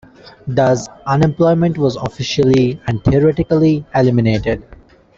Thus unemployment was officially and theoretically eliminated.